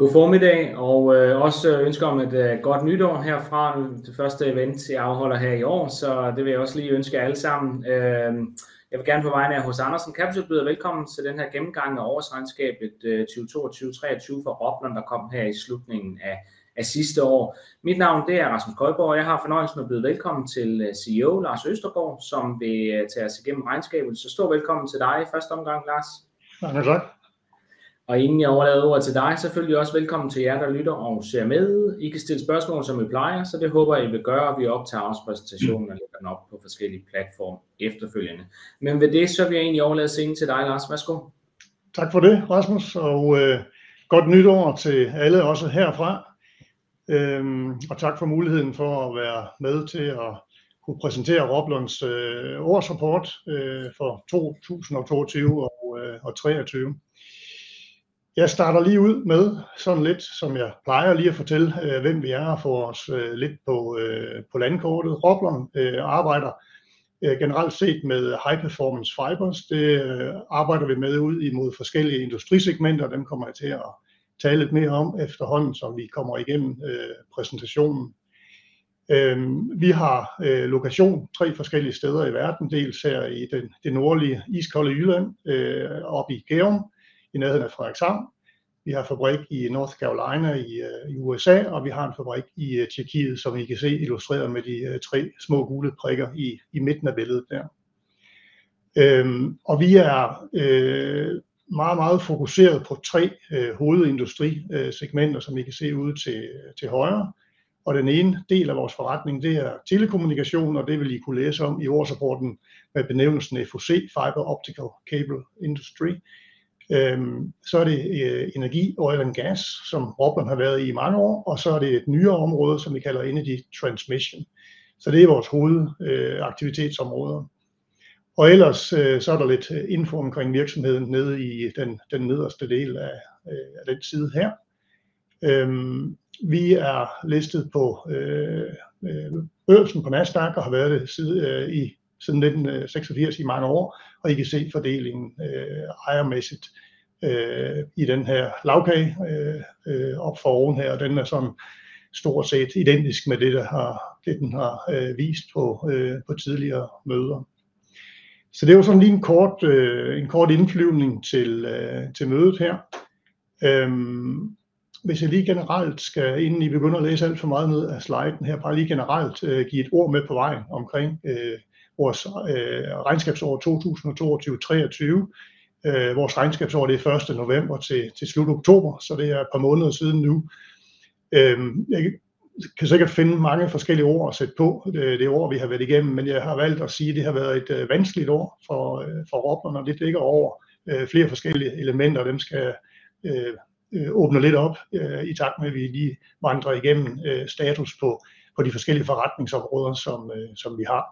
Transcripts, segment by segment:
Godformiddag og også ønske jer om et godt nytår herfra. Det første event jeg afholder her i år, så det vil jeg også lige ønske jer alle sammen. Jeg vil gerne på vegne af H.C. Andersen Capital byde jer velkommen til den her gennemgang af årsregnskabet 2022/23 for Roblon, der kom her i slutningen af sidste år. Mit navn er Rasmus Kolborg, og jeg har fornøjelsen at byde velkommen til CEO Lars Østergaard, som vil tage os igennem regnskabet. Så stor velkommen til dig i første omgang, Lars. Mange tak. Og inden jeg overlader ordet til dig, selvfølgelig også velkommen til jer, der lytter og ser med. I kan stille spørgsmål, som I plejer, så det håber jeg, I vil gøre. Vi optager også præsentationen og lægger den op på forskellige platforme efterfølgende. Men med det, så vil jeg egentlig overlade scenen til dig, Lars. Værsgo! Tak for det, Rasmus. Godt nytår til alle, også herfra. Tak for muligheden for at være med til at kunne præsentere Roblons årsrapport for 2022 og treogtyve. Jeg starter lige ud med sådan lidt, som jeg plejer, lige at fortælle, hvem vi er, og få os lidt på landkortet. Roblon arbejder generelt set med high performance fibers. Det arbejder vi med ud imod forskellige industrisegmenter, og dem kommer jeg til at tale lidt mere om, efterhånden som vi kommer igennem præsentationen. Vi har lokation tre forskellige steder i verden. Dels her i det nordlige iskolde Jylland, oppe i Gærum, i nærheden af Frederikshavn. Vi har fabrik i North Carolina i USA, og vi har en fabrik i Tjekkiet, som I kan se illustreret med de tre små gule prikker i midten af billedet der. Vi er meget, meget fokuseret på tre hovedindustrisegmenter, som I kan se ude til højre. Den ene del af vores forretning er telekommunikation, og det vil I kunne læse om i årsrapporten med benævnelsen FOC, Fiber Optical Cable Industry. Så er det energi, oil and gas, som Roblon har været i i mange år, og så er det et nyere område, som vi kalder Energy Transmission. Så det er vores hovedaktivitetsområder. Ellers er der lidt info omkring virksomheden nede i den nederste del af den side her. Vi er listet på børsen på Nasdaq og har været det siden 1986 i mange år, og I kan se fordelingen ejermæssigt i den her lagkage oppe foroven her. Den er sådan stort set identisk med det, der har, den har vist på tidligere møder. Så det var sådan lige en kort indflyvning til mødet her. Hvis jeg lige generelt skal, inden I begynder at læse alt for meget ned ad sliden her, bare lige generelt give et ord med på vejen omkring vores regnskabsår 2022/23. Vores regnskabsår er første november til slut oktober, så det er et par måneder siden nu. Jeg kan sikkert finde mange forskellige ord at sætte på det år, vi har været igennem, men jeg har valgt at sige, at det har været et vanskeligt år for Roblon, og det dækker over flere forskellige elementer, og dem skal jeg åbne lidt op, i takt med at vi lige vandrer igennem status på de forskellige forretningsområder, som vi har.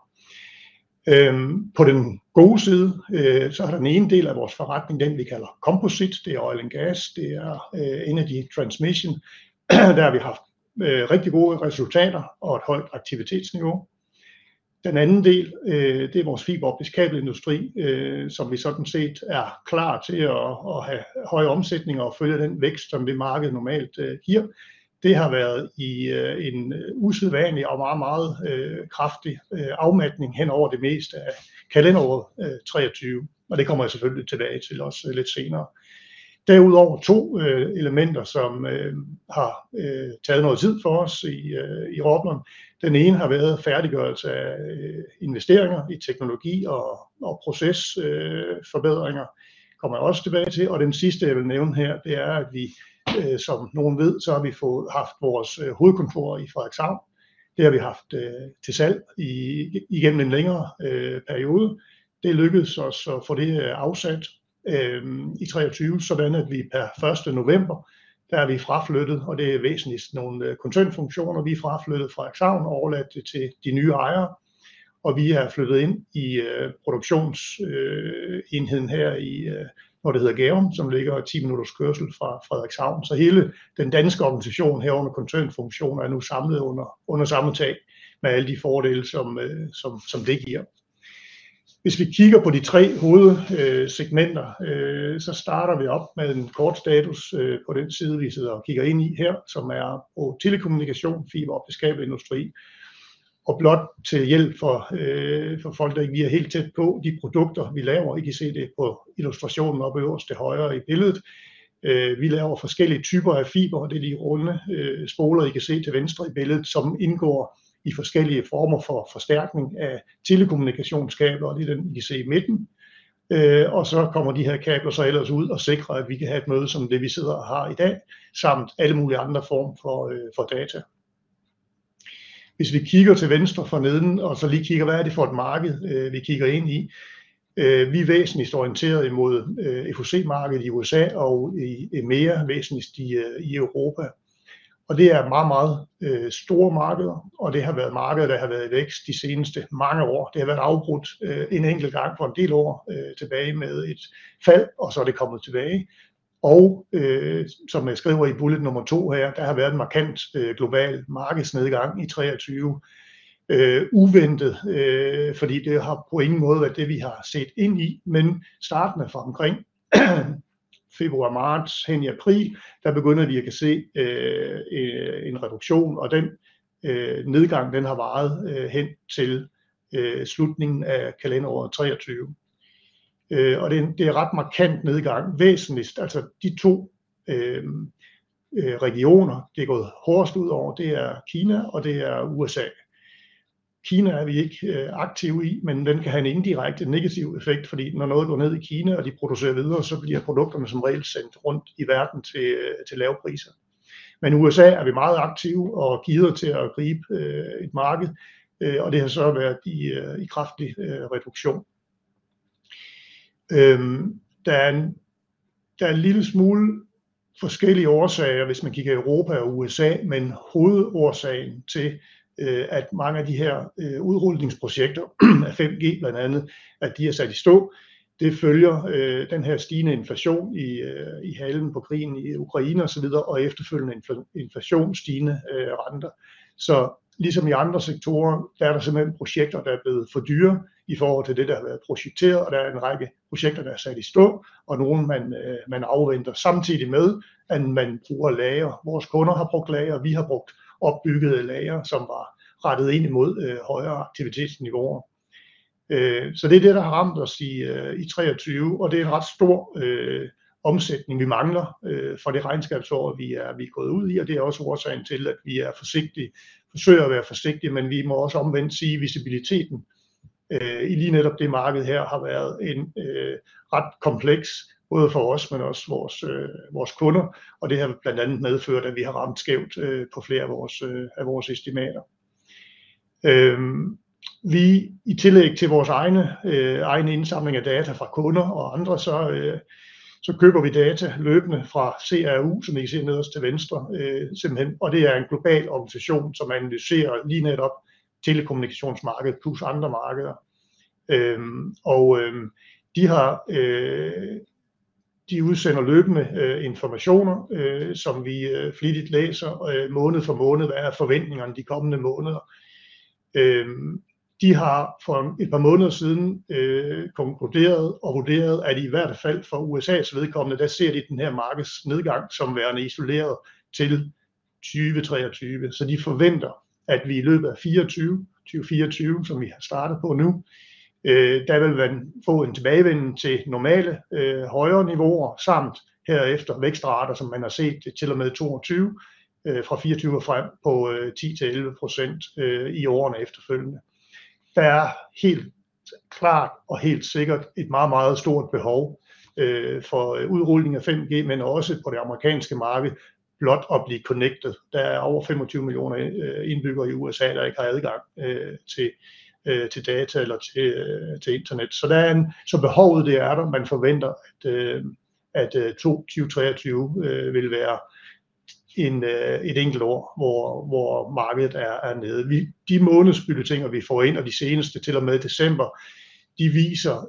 På den gode side, så er der den ene del af vores forretning, den vi kalder komposit. Det er oil and gas. Det er Energy Transmission. Der har vi haft rigtig gode resultater og et højt aktivitetsniveau. Den anden del er vores fiberoptiske kabelindustri, som vi sådan set er klar til at have høje omsætninger og følge den vækst, som det markedet normalt giver. Det har været i en usædvanlig og meget, meget kraftig afmatning hen over det meste af kalenderåret 2023, og det kommer jeg selvfølgelig tilbage til også lidt senere. Derudover to elementer, som har taget noget tid for os i Roblon. Den ene har været færdiggørelse af investeringer i teknologi og procesforbedringer. Det kommer jeg også tilbage til. Den sidste, jeg vil nævne her, det er, at vi, som nogle ved, så har vi haft vores hovedkontor i Frederikshavn. Det har vi haft til salg igennem en længere periode. Det er lykkedes os at få det afsat i 2023, sådan at vi pr. Første november, der er vi fraflyttet, og det er væsentligst nogle koncernfunktioner. Vi er fraflyttet Frederikshavn og overladt det til de nye ejere, og vi er flyttet ind i produktionsenheden her i, hvor det hedder Gærum, som ligger ti minutters kørsel fra Frederikshavn. Så hele den danske organisation, herunder koncernfunktioner, er nu samlet under samme tag med alle de fordele, som det giver. Hvis vi kigger på de tre hovedsegmenter, så starter vi op med en kort status på den side, vi sidder og kigger ind i her, som er telekommunikation, fiberoptisk kabelindustri og blot til hjælp for folk, der ikke lige er helt tæt på de produkter, vi laver. I kan se det på illustrationen oppe øverst til højre i billedet. Vi laver forskellige typer af fiber, og det er de runde spoler, I kan se til venstre i billedet, som indgår i forskellige former for forstærkning af telekommunikationskabler. Og det er dem, I kan se i midten. Og så kommer de her kabler så ellers ud og sikrer, at vi kan have et møde som det, vi sidder og har i dag, samt alle mulige andre former for data. Hvis vi kigger til venstre forneden og så lige kigger, hvad er det for et marked, vi kigger ind i? Vi er væsentligst orienteret imod FOC markedet i USA og i mere væsentligst i Europa. Det er meget, meget store markeder, og det har været markeder, der har været i vækst de seneste mange år. Det har været afbrudt en enkelt gang på en del år tilbage med et fald, og så er det kommet tilbage. Som jeg skriver i bullet nummer to her, der har været en markant global markedsnedgang i 2023. Uventet, fordi det har på ingen måde været det, vi har set ind i. Men startende fra omkring februar, marts, hen i april, der begynder vi at kunne se en reduktion, og den nedgang har varet hen til slutningen af kalenderåret 2023. Og det er en ret markant nedgang. Væsentligst. De to regioner, det er gået hårdest ud over, det er Kina, og det er USA. Kina er vi ikke aktive i, men den kan have en indirekte negativ effekt, fordi når noget går ned i Kina, og de producerer videre, så bliver produkterne som regel sendt rundt i verden til lave priser. Men i USA er vi meget aktive og gearet til at gribe et marked, og det har så været i kraftig reduktion. Der er en lille smule forskellige årsager, hvis man kigger Europa og USA. Men hovedårsagen til, at mange af de her udrulningsprojekter af 5G blandt andet, at de er sat i stå. Det følger den her stigende inflation i halen på krigen i Ukraine og så videre, og efterfølgende inflation, stigende renter. Ligesom i andre sektorer, er der simpelthen projekter, der er blevet for dyre i forhold til det, der har været projekteret. Der er en række projekter, der er sat i stå og nogle, man afventer, samtidig med at man bruger lagre. Vores kunder har brugt lagre, og vi har brugt opbyggede lagre, som var rettet ind imod højere aktivitetsniveauer. Det er det, der har ramt os i treogtyve, og det er en ret stor omsætning, vi mangler fra det regnskabsår, vi er gået ud i, og det er også årsagen til, at vi er forsigtige. Forsøger at være forsigtig. Men vi må også omvendt sige, at visibiliteten i lige netop det marked her har været en ret kompleks både for os, men også vores kunder. Og det har blandt andet medført, at vi har ramt skævt på flere af vores estimater. Vi i tillæg til vores egne indsamling af data fra kunder og andre, så køber vi data løbende fra CRU, som I kan se nederst til venstre. Simpelthen, og det er en global organisation, som analyserer lige netop telekommunikationsmarkedet plus andre markeder. Og de udsender løbende informationer, som vi flittigt læser måned for måned. Hvad er forventningerne de kommende måneder? De har for et par måneder siden konkluderet og vurderet, at i hvert fald for USA's vedkommende, der ser de den her markedsnedgang som værende isoleret til 2023. De forventer, at vi i løbet af 2024, som vi er startet på nu, der vil man få en tilbagevenden til normale højere niveauer samt herefter vækstrater, som man har set til og med 2022 fra 2024 og frem på 10% til 11% i årene efterfølgende. Der er helt klart og helt sikkert et meget, meget stort behov for udrulning af 5G, men også på det amerikanske marked blot at blive connected. Der er over 25 millioner indbyggere i USA, der ikke har adgang til data eller til internet. Behovet er der. Man forventer, at 2023 vil være et enkelt år, hvor markedet er nede. De månedsbulletiner, vi får ind, og de seneste til og med december, de viser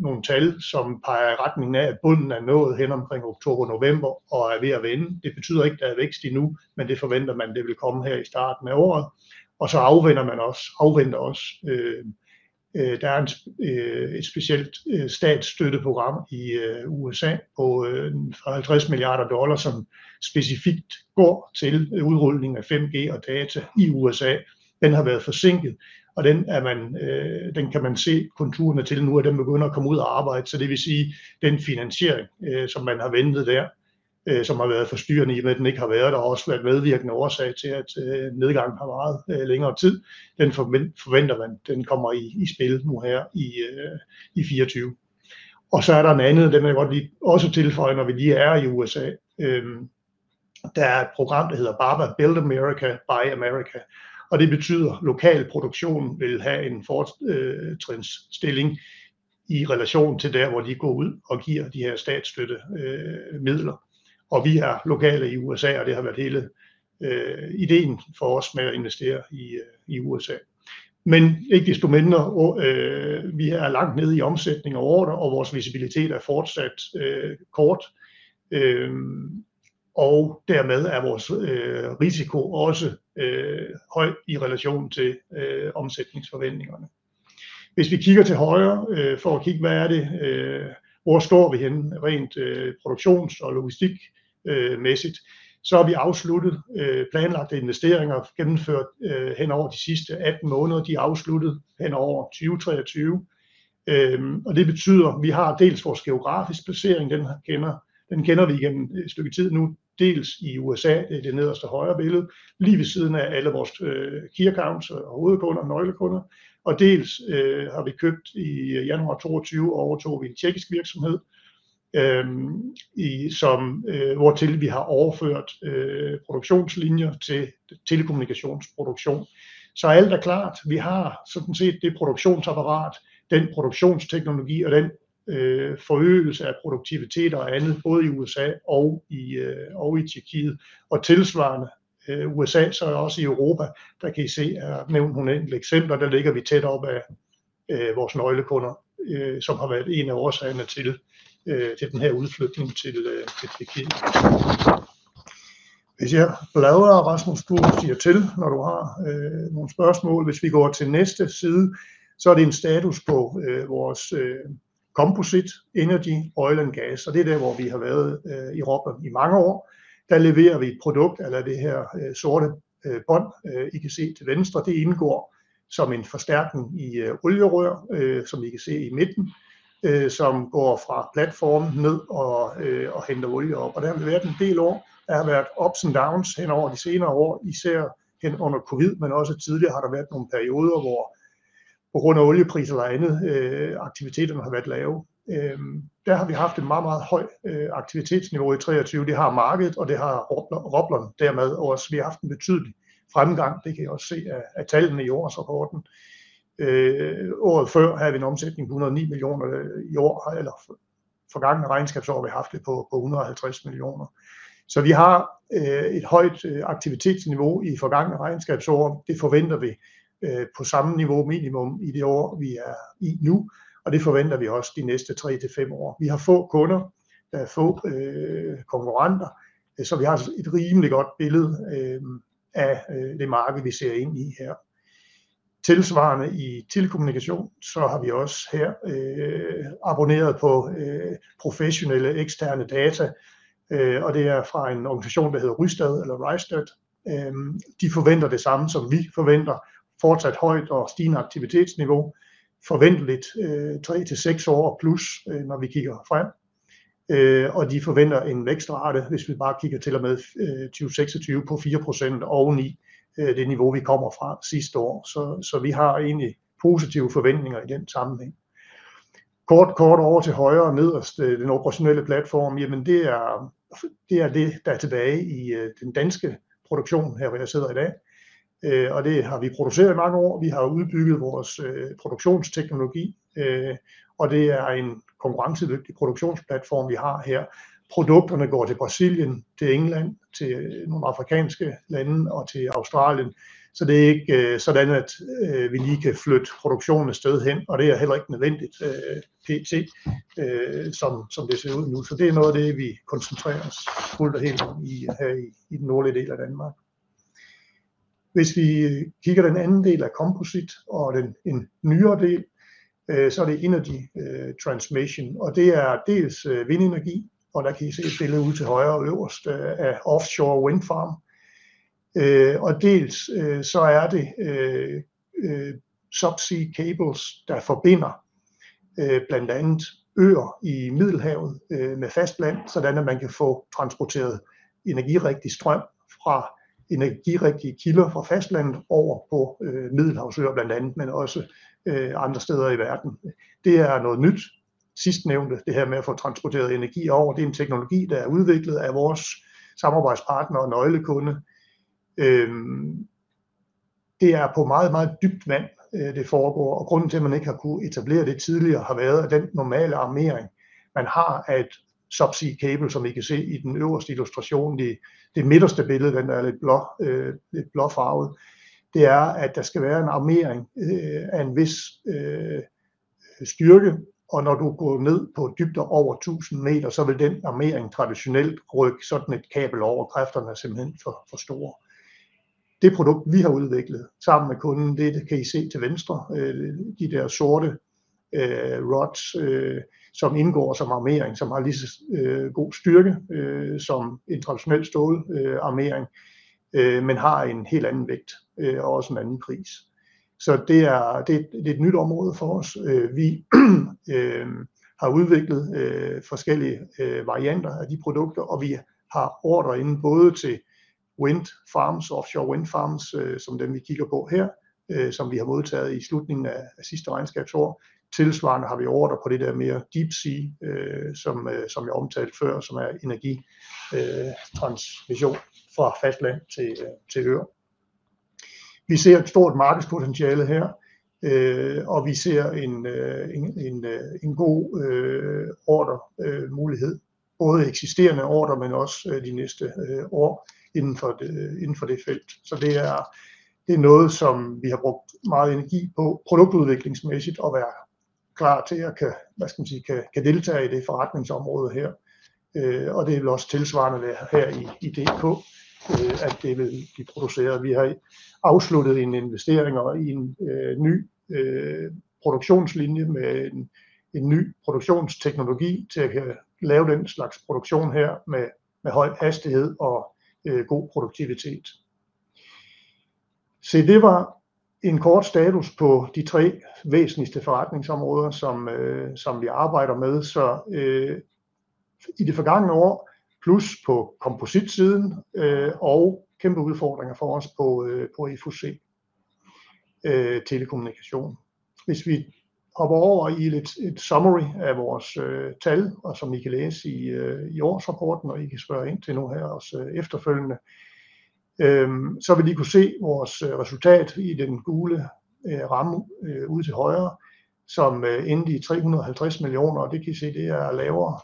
nogle tal, som peger i retning af, at bunden er nået hen omkring oktober-november og er ved at vende. Det betyder ikke, at der er vækst endnu, men det forventer man, at det vil komme her i starten af året. Og så afventer man også. Der er et specielt statsstøttet program i USA på $50 milliarder, som specifikt går til udrulning af 5G og data i USA. Den har været forsinket, og den er man, den kan man se konturerne til nu, at den begynder at komme ud og arbejde. Så det vil sige, den finansiering, som man har ventet der, som har været forstyrrende i og med, at den ikke har været der, og også været medvirkende årsag til, at nedgangen har varet længere tid. Den forventer man, at den kommer i spil nu her i 2024. Og så er der en anden. Den vil jeg godt lige også tilføje, når vi lige er i USA. Der er et program, der hedder BABA Build America by America, og det betyder, at lokal produktion vil have en fortrinsstilling i relation til der, hvor de går ud og giver de her statsstøttede midler. Og vi er lokale i USA, og det har været hele ideen for os med at investere i USA. Men ikke desto mindre, vi er langt nede i omsætning og ordrer, og vores visibilitet er fortsat kort. Og dermed er vores risiko også høj i relation til omsætningsforventningerne. Hvis vi kigger til højre for at kigge, hvad er det? Hvor står vi henne rent produktions- og logistikmæssigt, så har vi afsluttet planlagte investeringer gennemført hen over de sidste atten måneder. De er afsluttet hen over 2023, og det betyder, at vi har dels vores geografiske placering. Den kender vi igennem et stykke tid nu, dels i USA. Det er det nederste højre billede, lige ved siden af alle vores key accounts og hovedkunder og nøglekunder. Dels har vi købt i januar 2022, overtog vi en tjekkisk virksomhed, hvortil vi har overført produktionslinjer til telekommunikationsproduktion. Alt er klart. Vi har sådan set det produktionsapparat, den produktionsteknologi og den forøgelse af produktivitet og andet både i USA og i Tjekkiet og tilsvarende USA, så også i Europa. Der kan I se er nævnt nogle enkelte eksempler. Der ligger vi tæt op ad vores nøglekunder, som har været en af årsagerne til den her udflytning til Tjekkiet. Hvis jeg bladrer, Rasmus, du siger til, når du har nogle spørgsmål. Hvis vi går til næste side, så er det en status på vores Composite Energy, Oil og Gas, og det er der, hvor vi har været i Robline i mange år. Der leverer vi et produkt, det er det her sorte bånd I kan se til venstre. Det indgår som en forstærkning i olierør, som I kan se i midten, som går fra platformen ned og henter olie op, og der har vi været en del år. Der har været ups and downs hen over de senere år, især hen under COVID, men også tidligere har der været nogle perioder, hvor på grund af oliepriser eller andet, aktiviteterne har været lave. Der har vi haft et meget, meget højt aktivitetsniveau i 23. Det har markedet, og det har Robline dermed også. Vi har haft en betydelig fremgang. Det kan I også se af tallene i årsrapporten. Året før havde vi en omsætning på 109 millioner. I år eller forgangne regnskabsår har vi haft det på 150 millioner. Så vi har et højt aktivitetsniveau i forgangne regnskabsår. Det forventer vi på samme niveau minimum i det år, vi er i nu, og det forventer vi også de næste tre til fem år. Vi har få kunder, der er få konkurrenter, så vi har et rimelig godt billede af det marked, vi ser ind i her. Tilsvarende i telekommunikation, så har vi også her abonneret på professionelle eksterne data, og det er fra en organisation, der hedder Rystad eller Rystad. De forventer det samme, som vi forventer. Fortsat højt og stigende aktivitetsniveau. Forventeligt tre til seks år plus, når vi kigger frem, og de forventer en vækstrate, hvis vi bare kigger til og med 2026 på 4% oveni det niveau, vi kommer fra sidste år. Så vi har egentlig positive forventninger i den sammenhæng. Kort, kort over til højre nederst. Den operationelle platform. Jamen, det er det, der er tilbage i den danske produktion, her hvor jeg sidder i dag. Og det har vi produceret i mange år. Vi har udbygget vores produktionsteknologi, og det er en konkurrencedygtig produktionsplatform, vi har her. Produkterne går til Brasilien, til England, til nogle afrikanske lande og til Australien. Så det er ikke sådan, at vi lige kan flytte produktionen et sted hen, og det er heller ikke nødvendigt pt. Som det ser ud nu. Så det er noget af det, vi koncentrerer os fuldt og helt om i den nordlige del af Danmark. Hvis vi kigger den anden del af komposit og en nyere del, så er det Energy Transmission, og det er dels vindenergi, og der kan I se et billede ude til højre øverst af offshore wind farm. Og dels så er det subsea cables, der forbinder blandt andet øer i Middelhavet med fastlandet, sådan at man kan få transporteret energi, rigtig strøm fra energirigtige kilder fra fastlandet over på middelhavsøer blandt andet, men også andre steder i verden. Det er noget nyt. Sidstnævnte, det her med at få transporteret energi over, det er en teknologi, der er udviklet af vores samarbejdspartner og nøglekunde. Det er på meget, meget dybt vand, det foregår, og grunden til at man ikke har kunnet etablere det tidligere, har været at den normale armering, man har af et subsea cable, som I kan se i den øverste illustration i det midterste billede, den er lidt blå, lidt blåfarvet. Det er at der skal være en armering af en vis styrke, og når du går ned på dybder over tusinde meter, så vil den armering traditionelt knække sådan et kabel over. Kræfterne er simpelthen for store. Det produkt, vi har udviklet sammen med kunden, det kan I se til venstre. De der sorte rods, som indgår som armering, som har lige så god styrke som en traditionel stål armering, men har en helt anden vægt og også en anden pris. Så det er et nyt område for os. Vi har udviklet forskellige varianter af de produkter, og vi har ordrer inde både til wind farms, offshore wind farms, som dem vi kigger på her, som vi har modtaget i slutningen af sidste regnskabsår. Tilsvarende har vi ordrer på det der mere deep sea, som jeg omtalte før, som er energi transmission fra fastland til øer. Vi ser et stort markedspotentiale her, og vi ser en god ordremulighed, både eksisterende ordrer, men også de næste år inden for det felt. Det er noget, som vi har brugt meget energi på produktudviklingsmæssigt at være klar til, og kan, hvad skal man sige, kan deltage i det forretningsområde her. Det er vel også tilsvarende her i DK, at det vil blive produceret. Vi har afsluttet en investering i en ny produktionslinje med en ny produktionsteknologi til at lave den slags produktion her med høj hastighed og god produktivitet. Det var en kort status på de tre væsentligste forretningsområder, som vi arbejder med. I det forgangne år plus på komposit siden og kæmpe udfordringer for os på FUC telekommunikation. Hvis vi hopper over i et summary af vores tal, og som I kan læse i årsrapporten, og I kan spørge ind til noget her også efterfølgende, så vil I kunne se vores resultat i den gule ramme ude til højre, som endte i 350 millioner. Og det kan I se. Det er lavere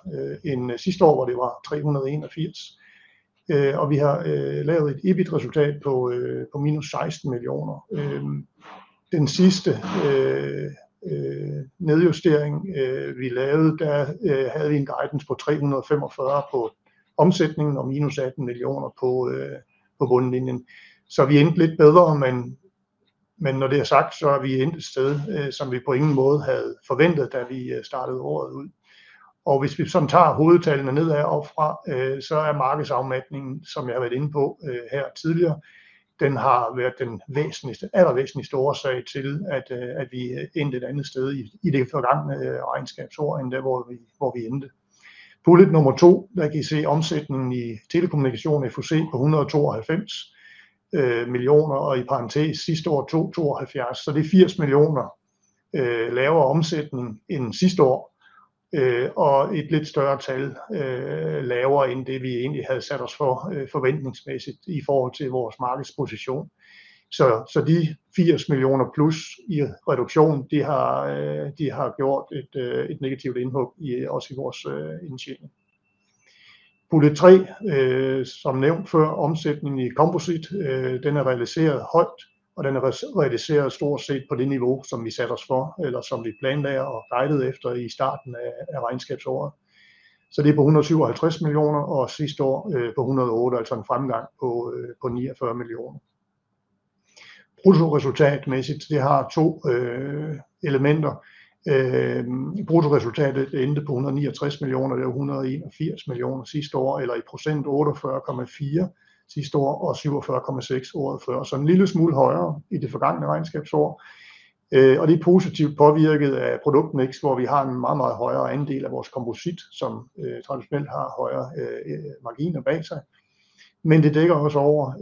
end sidste år, hvor det var 381, og vi har lavet et EBIT resultat på minus 16 millioner. Den sidste nedjustering vi lavede, der havde vi en guidance på 345 på omsætningen og minus 18 millioner på bundlinjen. Så vi endte lidt bedre. Men når det er sagt, så er vi endt et sted, som vi på ingen måde havde forventet, da vi startede året ud. Hvis vi tager hovedtallene ned her oppefra, så er markedsafmatningen, som jeg har været inde på her tidligere, den har været den væsentligste, allervæsentligste årsag til, at vi endte et andet sted i det forgangne regnskabsår end der, hvor vi endte. Bullet nummer to. Der kan I se omsætningen i telekommunikation FUC på 192 millioner og i parentes sidste år 270. Så det er 80 millioner lavere omsætning end sidste år og et lidt større tal lavere end det, vi egentlig havde sat os for forventningsmæssigt i forhold til vores markedsposition. Så de 80 millioner plus i reduktion, det har de gjort et negativt indhug i også i vores indtjening. Bullet tre. Som nævnt før omsætningen i komposit. Den er realiseret højt, og den er realiseret stort set på det niveau, som vi satte os for, eller som vi planlagde og guidede efter i starten af regnskabsåret. Så det er på 157 millioner og sidste år på 108. Altså en fremgang på 49 millioner. Bruttoresultatmæssigt det har to elementer. Bruttoresultatet endte på 193 millioner. Det var 181 millioner sidste år eller i procent 48,4% sidste år og 47,6% året før. Så en lille smule højere i det forgangne regnskabsår. Det er positivt påvirket af produktmix, hvor vi har en meget højere andel af vores komposit, som traditionelt har højere marginer bag sig. Men det dækker også over,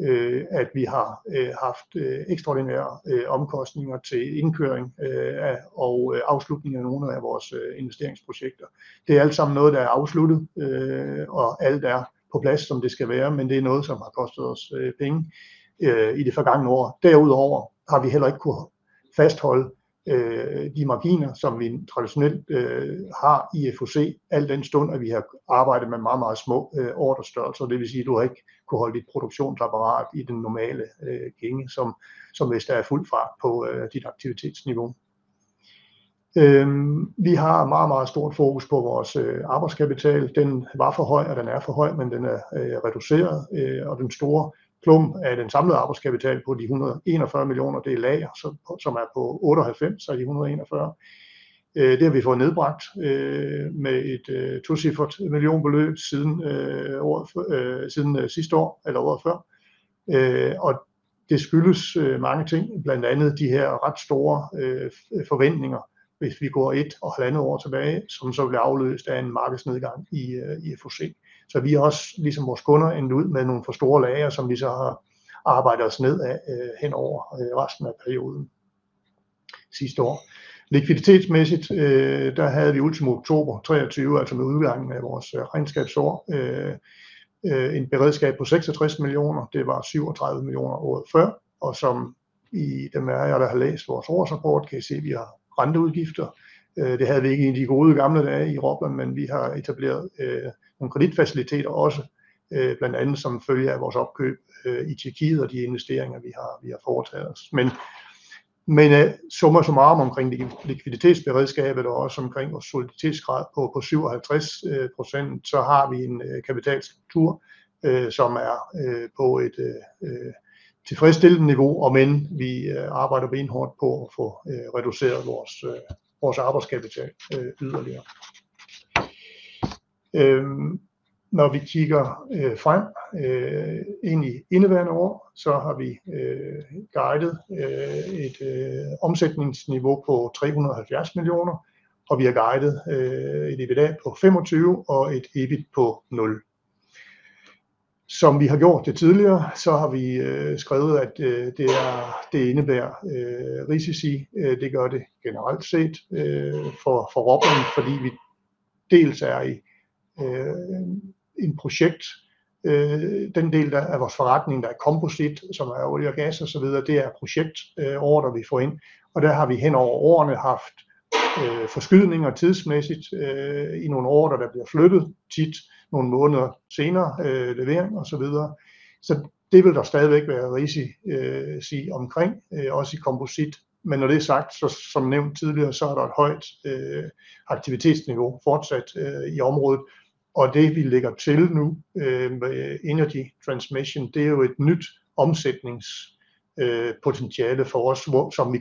at vi har haft ekstraordinære omkostninger til indkøring af og afslutning af nogle af vores investeringsprojekter. Det er alt sammen noget, der er afsluttet, og alt er på plads, som det skal være. Men det er noget, som har kostet os penge i det forgangne år. Derudover har vi heller ikke kunnet fastholde de marginer, som vi traditionelt har i FUC, al den stund at vi har arbejdet med meget små ordrestørrelser. Det vil sige, du har ikke kunnet holde dit produktionsapparat i den normale gænge, som hvis der er fuld fart på dit aktivitetsniveau. Vi har meget, meget stort fokus på vores arbejdskapital. Den var for høj, og den er for høj, men den er reduceret, og den store klump af den samlede arbejdskapital på de 141 millioner, det er lager, som er på 98 af de 141. Det har vi fået nedbragt med et tocifret millionbeløb siden året, siden sidste år eller året før. Og det skyldes mange ting, blandt andet de her ret store forventninger. Hvis vi går et og halvandet år tilbage, som så blev afløst af en markedsnedgang i FUC. Så vi er også ligesom vores kunder endte ud med nogle for store lagre, som vi så har arbejdet os ned af hen over resten af perioden sidste år. Likviditetsmæssigt der havde vi ultimo oktober 23, altså ved udgangen af vores regnskabsår, en beredskab på 66 millioner. Det var 37 millioner året før, og som i dem af jer, der har læst vores årsrapport, kan I se, at vi har renteudgifter. Det havde vi ikke i de gode gamle dage i Robban, men vi har etableret nogle kreditfaciliteter også, blandt andet som følge af vores opkøb i Tjekkiet og de investeringer, vi har foretaget os. Men summa summarum omkring likviditetsberedskabet og også omkring vores soliditetsgrad på 57%, så har vi en kapitalstruktur, som er på et tilfredsstillende niveau, om end vi arbejder benhårdt på at få reduceret vores arbejdskapital yderligere. Når vi kigger frem ind i indeværende år, så har vi guidet et omsætningsniveau på 370 millioner, og vi har guidet et EBITDA på 25 og et EBIT på nul. Som vi har gjort det tidligere, så har vi skrevet, at det indebærer risici. Det gør det generelt set for Robban, fordi vi dels er i en projekt, den del af vores forretning, der er komposit, som er olie og gas og så videre. Det er projektordrer, vi får ind, og der har vi hen over årene haft forskydninger tidsmæssigt i nogle ordrer, der bliver flyttet tit nogle måneder senere, levering og så videre. Så det vil der stadigvæk være risici omkring, også i komposit. Men når det er sagt, så som nævnt tidligere, så er der et højt aktivitetsniveau fortsat i området og det vi lægger til nu med Energy Transmission. Det er jo et nyt omsætningspotentiale for os, som vi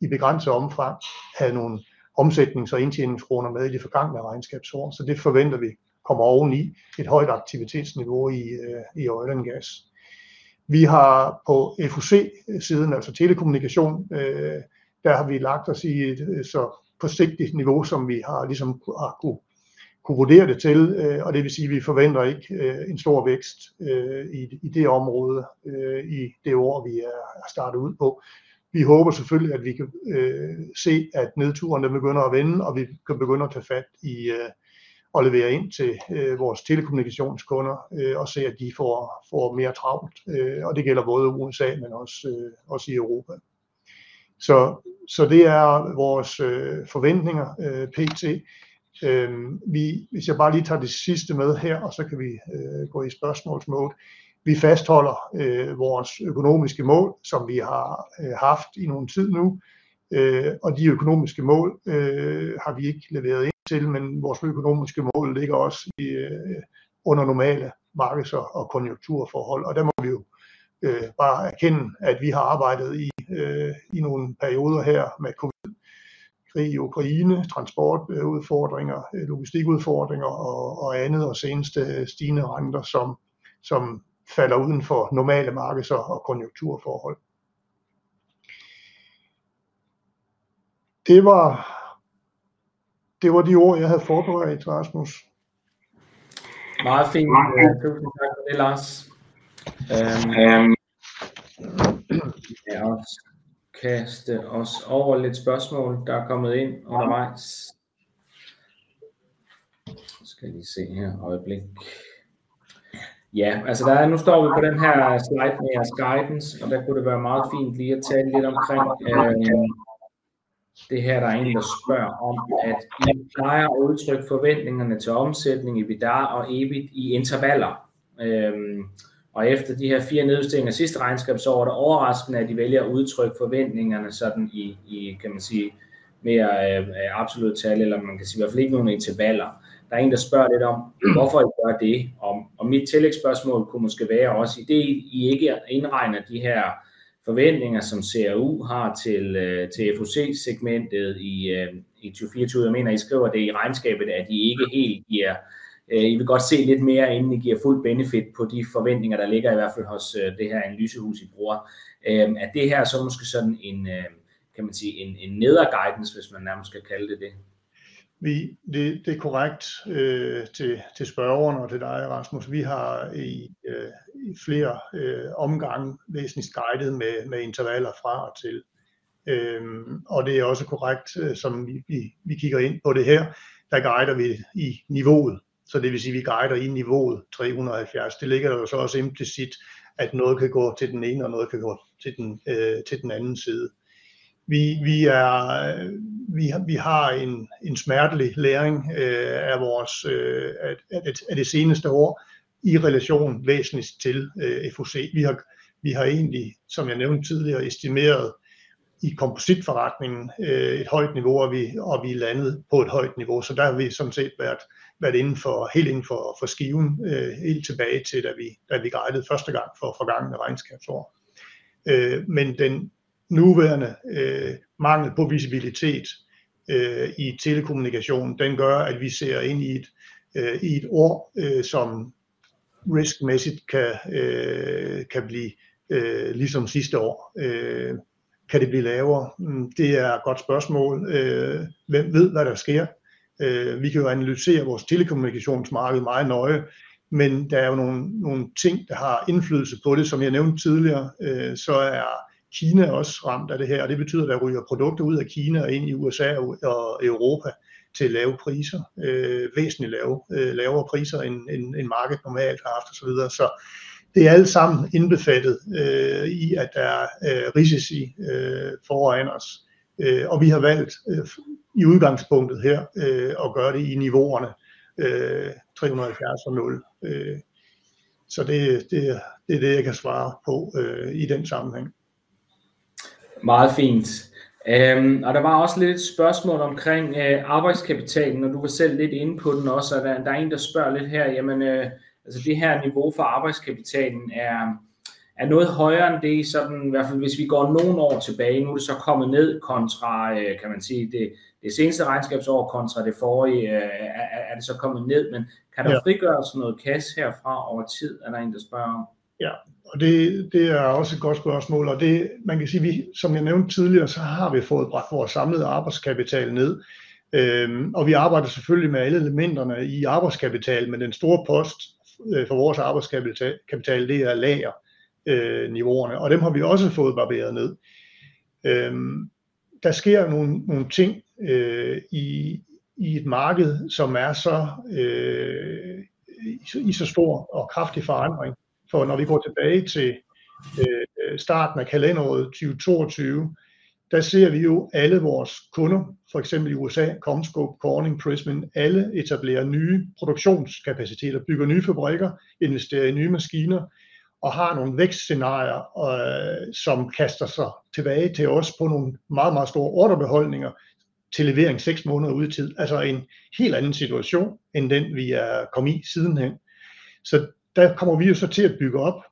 i begrænset omfang havde nogle omsætnings- og indtjeningskroner med i det forgangne regnskabsår, så det forventer vi kommer oveni et højt aktivitetsniveau i olie og gas. Vi har på FUC-siden, altså telekommunikation. Der har vi lagt os i et så forsigtigt niveau, som vi har kunnet vurdere det til. Det vil sige, vi forventer ikke en stor vækst i det område i det år, vi er startet ud på. Vi håber selvfølgelig, at vi kan se, at nedturen begynder at vende, og vi kan begynde at tage fat i og levere ind til vores telekommunikationskunder og se, at de får mere travlt. Det gælder både USA, men også os i Europa. Det er vores forventninger pt. Vi, hvis jeg bare lige tager det sidste med her, og så kan vi gå i spørgsmålsmode. Vi fastholder vores økonomiske mål, som vi har haft i nogen tid nu, og de økonomiske mål har vi ikke leveret ind til. Men vores økonomiske mål ligger også under normale markeds- og konjunkturforhold. Og der må vi jo bare erkende, at vi har arbejdet i nogle perioder her med krig i Ukraine, transportudfordringer, logistikudfordringer og andet og senest stigende renter, som falder uden for normale markeds- og konjunkturforhold. Det var de ord, jeg havde forberedt. Rasmus. Meget fint. Tusind tak for det, Lars. Vi kan også kaste os over lidt spørgsmål, der er kommet ind undervejs. Nu skal jeg lige se her. Øjeblik. Ja, altså nu står vi på den her slide med jeres guidance, og der kunne det være meget fint lige at tale lidt omkring det her. Der er en, der spørger om, at I plejer at udtrykke forventningerne til omsætning i Vidar og EBIT i intervaller. Efter de her fire nedjusteringer af sidste regnskab, så var det overraskende, at I vælger at udtrykke forventningerne sådan i, kan man sige, mere absolutte tal. Eller man kan sige i hvert fald ikke nogle intervaller. Der er en, der spørger lidt om, hvorfor I gør det? Mit tillægsspørgsmål kunne måske være også i det I ikke indregner de her forventninger, som CRU har til FOC segmentet i 2024. Jeg mener, I skriver det i regnskabet, at I ikke helt giver. I vil godt se lidt mere, inden I giver fuld benefit på de forventninger, der ligger i hvert fald hos det her analysehus, I bruger. Er det her så måske sådan en, kan man sige, en neder guidance, hvis man nærmest kan kalde det det? Nej, det er korrekt. Til spørgeren og til dig, Rasmus. Vi har i flere omgange væsentligt guidet med intervaller fra og til. Og det er også korrekt, som vi kigger ind på det her. Der guider vi i niveauet, så det vil sige, vi guider i niveauet 370. Det ligger der jo så også implicit, at noget kan gå til den ene, og noget kan gå til den anden side. Vi er. Vi har. Vi har en smertelig læring af vores af det seneste år i relation væsentligst til FOC. Vi har. Vi har egentlig, som jeg nævnte tidligere, estimeret i kompositforretningen et højt niveau, og vi er landet på et højt niveau, så der har vi sådan set været helt inden for skiven. Helt tilbage til da vi startede første gang for forgangne regnskabsår. Men den nuværende mangel på visibilitet i telekommunikation, den gør, at vi ser ind i et år, som riskmæssigt kan blive ligesom sidste år. Kan det blive lavere? Det er et godt spørgsmål. Hvem ved, hvad der sker? Vi kan analysere vores telekommunikationsmarked meget nøje, men der er nogle ting, der har indflydelse på det. Som jeg nævnte tidligere, så er Kina også ramt af det her, og det betyder, at der ryger produkter ud af Kina og ind i USA og Europa til lave priser. Væsentligt lavere priser, end markedet normalt har haft og så videre. Så det er alt sammen indbefattet i, at der er risici foran os, og vi har valgt i udgangspunktet her at gøre det i niveauerne 370 og 0. Det er det, jeg kan svare på i den sammenhæng. Meget fint. Og der var også lidt spørgsmål omkring arbejdskapitalen, og du var selv lidt inde på den også. Der er en, der spørger lidt her. Jamen, altså det her niveau for arbejdskapitalen er noget højere end det. Sådan i hvert fald, hvis vi går nogle år tilbage. Nu er det så kommet ned. Kontra kan man sige det. Det seneste regnskabsår kontra det forrige, er det så kommet ned. Men kan der frigøres noget kasse herfra over tid? Er der en, der spørger om. Ja, og det er også et godt spørgsmål, og det man kan sige vi. Som jeg nævnte tidligere, så har vi fået bragt vores samlede arbejdskapital ned, og vi arbejder selvfølgelig med alle elementerne i arbejdskapital. Men den store post for vores arbejdskapital, det er lagerniveauerne, og dem har vi også fået barberet ned. Der sker nogle ting i et marked, som er i så stor og kraftig forandring. For når vi går tilbage til starten af kalenderåret 2022, der ser vi jo alle vores kunder, for eksempel i USA, Commscope, Corning, Prysmian. Alle etablerer nye produktionskapaciteter, bygger nye fabrikker, investerer i nye maskiner og har nogle vækstscenarier, som kaster sig tilbage til os på nogle meget, meget store ordrebeholdninger til levering seks måneder ud i tid. Altså en helt anden situation end den, vi er kommet i sidenhen. Så der kommer vi jo så til at bygge op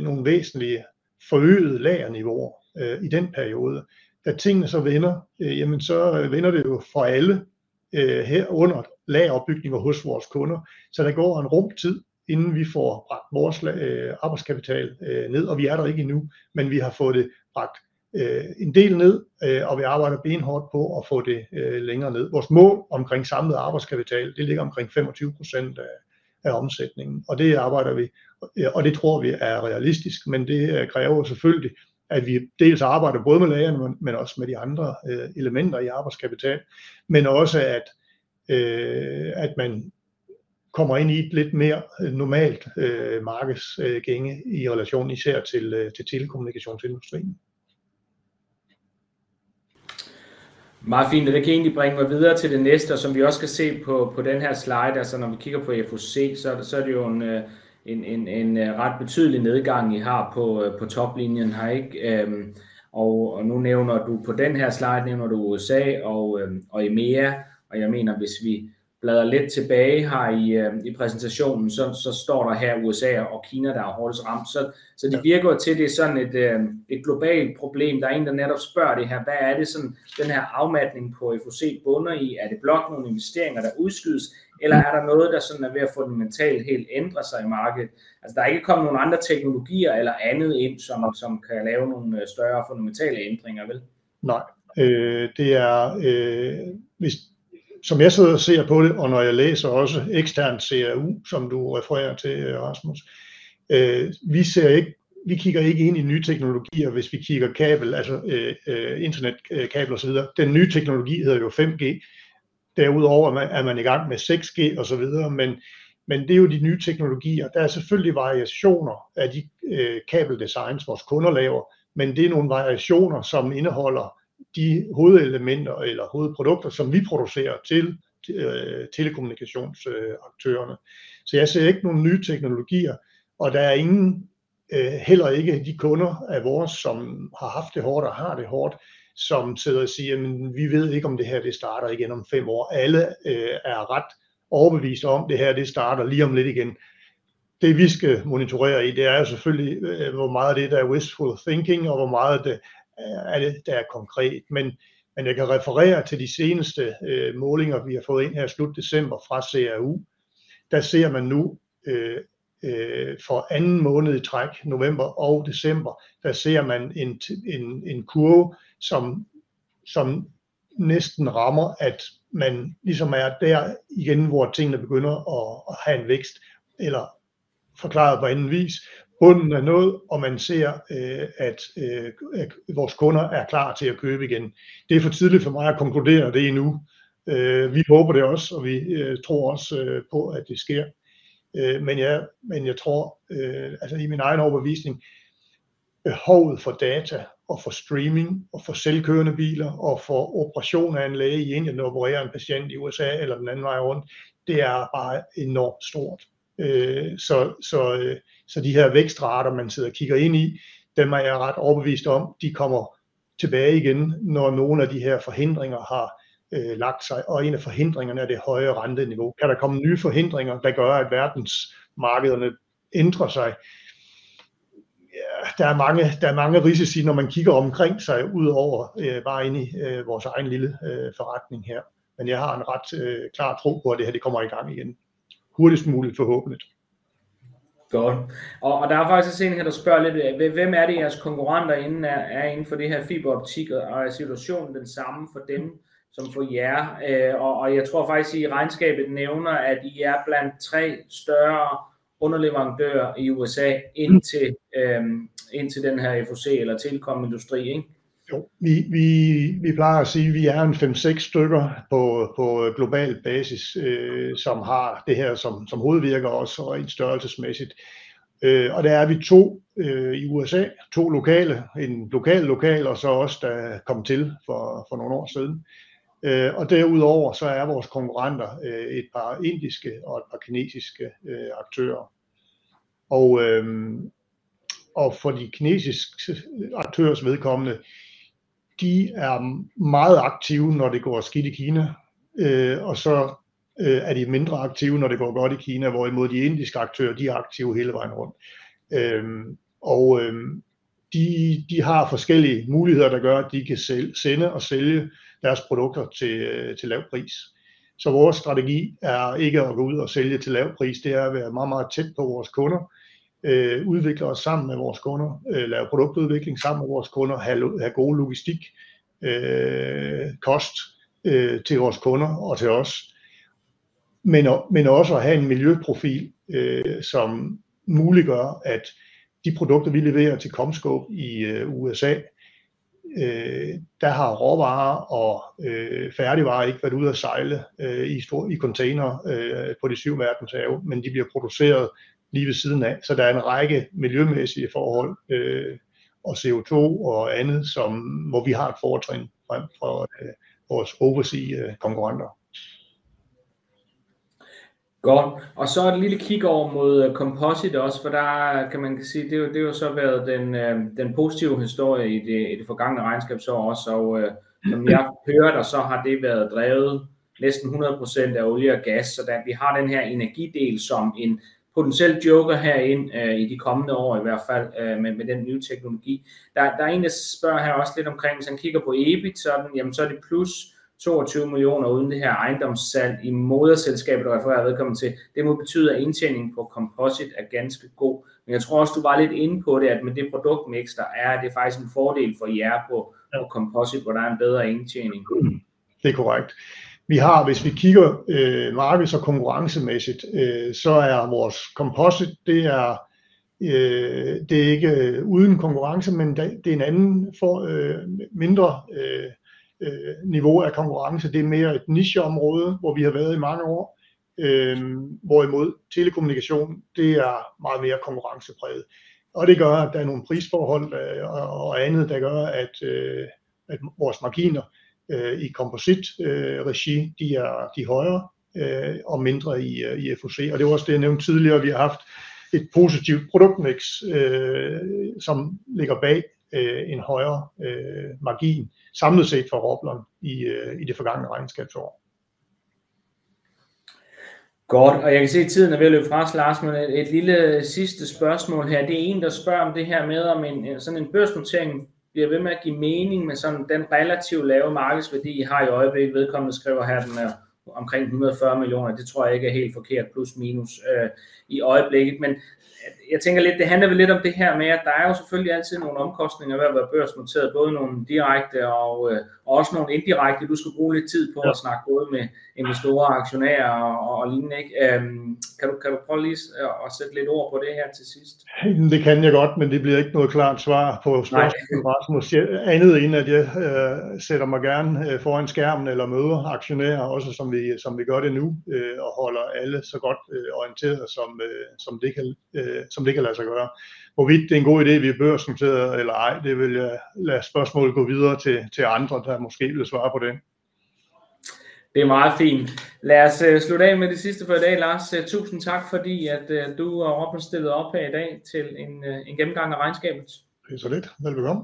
nogle væsentlige forøgede lagerniveauer i den periode. Da tingene så vender, jamen så vender det jo for alle, herunder lageropbygning hos vores kunder. Så der går en rum tid, inden vi får bragt vores arbejdskapital ned, og vi er der ikke endnu. Men vi har fået det bragt en del ned, og vi arbejder benhårdt på at få det længere ned. Vores mål omkring samlet arbejdskapital det ligger omkring 25% af omsætningen, og det arbejder vi, og det tror vi er realistisk. Men det kræver selvfølgelig, at vi dels arbejder både med lagrene, men også med de andre elementer i arbejdskapital. Men også at man kommer ind i et lidt mere normalt markeds gænge i relation især til telekommunikationsindustrien. Meget fint! Og det kan egentlig bringe mig videre til det næste, og som vi også kan se på den her slide. Altså når vi kigger på FUC, så er det jo en ret betydelig nedgang I har på toplinjen her, ikke? Og nu nævner du på den her slide nævner du USA og EMEA. Og jeg mener, hvis vi bladrer lidt tilbage her i præsentationen, så står der her USA og Kina, der er hårdest ramt. Så det virker til, at det er sådan et globalt problem. Der er en, der netop spørger det her. Hvad er det sådan den her afmatning på FUC bunder i? Er det blot nogle investeringer, der udskydes, eller er der noget, der er ved at fundamentalt ændre sig i markedet? Altså, der er ikke kommet nogle andre teknologier eller andet ind, som kan lave nogle større fundamentale ændringer, vel? Nej, det er hvis, som jeg sidder og ser på det, og når jeg læser også eksternt CAU, som du refererer til Rasmus. Vi ser ikke. Vi kigger ikke ind i nye teknologier, hvis vi kigger kabel, internet, kabel og så videre. Den nye teknologi hedder jo 5G. Derudover er man i gang med 6G og så videre. Men det er jo de nye teknologier. Der er selvfølgelig variationer af de kabel designs, vores kunder laver, men det er nogle variationer, som indeholder de hovedelementer eller hovedprodukter, som vi producerer til telekommunikations aktørerne. Så jeg ser ikke nogle nye teknologier, og der er ingen, heller ikke de kunder af vores, som har haft det hårdt og har det hårdt, som sidder og siger jamen, vi ved ikke, om det her starter igen om fem år. Alle er ret overbeviste om, at det her starter lige om lidt igen. Det, vi skal monitorere i, det er jo selvfølgelig, hvor meget af det, der er wishful thinking, og hvor meget af det, der er konkret. Men jeg kan referere til de seneste målinger, vi har fået ind her i slut december fra CAU. Der ser man nu for anden måned i træk, november og december. Der ser man en kurve, som næsten rammer, at man ligesom er der igen, hvor tingene begynder at have en vækst eller forklaret på anden vis. Bunden er nået, og man ser, at vores kunder er klar til at købe igen. Det er for tidligt for mig at konkludere det endnu. Vi håber det også, og vi tror også på, at det sker. Men i min egen overbevisning. Behovet for data og for streaming og for selvkørende biler og for operation af en læge i Indien, der opererer en patient i USA eller den anden vej rundt, det er bare enormt stort. Så de her vækstrater, man sidder og kigger ind i dem, er jeg ret overbevist om, at de kommer tilbage igen, når nogle af de her forhindringer har lagt sig. Og en af forhindringerne er det høje renteniveau. Kan der komme nye forhindringer, der gør, at verdensmarkederne ændrer sig? Ja, der er mange. Der er mange risici, når man kigger omkring sig, udover bare ind i vores egen lille forretning her. Men jeg har en ret klar tro på, at det her det kommer i gang igen hurtigst muligt, forhåbentligt. Godt. Og der er faktisk en her, der spørger lidt. Hvem er det, jeres konkurrenter er inden for det her fiberoptik? Og er situationen den samme for dem som for jer? Og jeg tror faktisk, I i regnskabet nævner, at I er blandt tre større underleverandører i USA indtil ind til den her FCC eller telekomindustri, ikke? Jo, vi plejer at sige, at vi er en 5-6 stykker på global basis, som har det her som hovedvirke og også rent størrelsesmæssigt. Og det er vi to i USA, to lokale, en lokal og så os, der kom til for nogle år siden. Og derudover så er vores konkurrenter et par indiske og et par kinesiske aktører. Og for de kinesiske aktørers vedkommende, de er meget aktive, når det går skidt i Kina, og så er de mindre aktive, når det går godt i Kina, hvorimod de indiske aktører er aktive hele vejen rundt, og de har forskellige muligheder, der gør, at de kan sende og sælge deres produkter til lav pris. Så vores strategi er ikke at gå ud og sælge til lav pris. Det er at være meget, meget tæt på vores kunder, udvikle os sammen med vores kunder, lave produktudvikling sammen med vores kunder, have god logistik, både til vores kunder og til os. Men også at have en miljøprofil, som muliggør, at de produkter, vi leverer til CommScope i USA, der har råvarer og færdigvarer ikke været ude at sejle i containere på de syv verdenshave, men de bliver produceret lige ved siden af, så der er en række miljømæssige forhold og CO2 og andet, hvor vi har et fortrin frem for vores overseas konkurrenter. Godt. Og så et lille kig over mod Composite også, for der kan man sige, at det har så været den positive historie i det forgangne regnskabsår. Og som jeg hører dig, så har det været drevet næsten 100% af olie og gas, så vi har den her energidel som en potentiel joker herind i de kommende år. I hvert fald med den nye teknologi. Der er en, der spørger også lidt omkring. Hvis han kigger på EBIT, så er det plus 22 millioner. Uden det her ejendomssalg i moderselskabet, du refererede velkommen til. Det må betyde, at indtjeningen på Composite er ganske god. Men jeg tror også, du var lidt inde på det med det produktmix, der er. Det er faktisk en fordel for jer på Composite, hvor der er en bedre indtjening. Det er korrekt. Vi har, hvis vi kigger markeds- og konkurrencemæssigt, så er vores komposit, det er ikke uden konkurrence, men det er en anden for mindre niveau af konkurrence. Det er mere et nicheområde, hvor vi har været i mange år, hvorimod telekommunikation, det er meget mere konkurrencepræget, og det gør, at der er nogle prisforhold og andet, der gør, at vores marginer i kompositregi, de er højere og mindre i FUC. Det er også det, jeg nævnte tidligere. Vi har haft et positivt produktmix, som ligger bag en højere margin samlet set for Roblon i det forgangne regnskabsår. Godt, og jeg kan se, at tiden er ved at løbe fra os, Lars. Men et lille sidste spørgsmål her. Det er en, der spørger om det her med, om sådan en børsnotering bliver ved med at give mening med den relativt lave markedsværdi, I har i øjeblikket. Vedkommende skriver her, den er omkring 140 millioner. Det tror jeg ikke er helt forkert, plus minus i øjeblikket. Men jeg tænker lidt, det handler vel lidt om det her med, at der er jo selvfølgelig altid nogle omkostninger ved at være børsnoteret. Både nogle direkte og også nogle indirekte. Du skal bruge lidt tid på at snakke gode med investorer og aktionærer og lignende. Kan du prøve lige at sætte lidt ord på det her til sidst? Det kan jeg godt, men det bliver ikke noget klart svar på spørgsmålet, andet end at jeg sætter mig gerne foran skærmen eller møder aktionærer. Også som vi gør det nu og holder alle så godt orienteret, som det kan lade sig gøre. Hvorvidt det er en god idé, at vi er børsnoteret eller ej, det vil jeg lade spørgsmålet gå videre til andre, der måske vil svare på det. Det er meget fint. Lad os slutte af med det sidste for i dag. Lars, tusind tak fordi du er stillet op her i dag til en gennemgang af regnskabet. Det er så lidt. Velbekomme!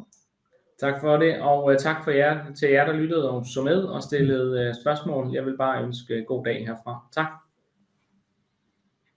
Tak for det og tak for jer. Til jer der lyttede og så med og stillede spørgsmål. Jeg vil bare ønske god dag herfra. Tak!